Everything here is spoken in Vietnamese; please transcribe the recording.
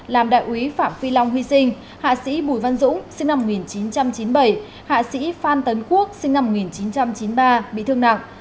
làm đại úy phạm phi long hy sinh hạ sĩ bùi văn dũng sinh năm một nghìn chín trăm chín mươi bảy hạ sĩ phan tấn quốc sinh năm một nghìn chín trăm chín mươi ba bị thương nặng